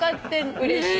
うれしい。